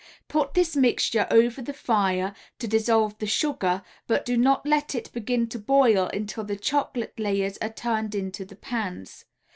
Put this mixture over the fire, to dissolve the sugar, but do not let it begin to boil until the chocolate layers are turned into the pans.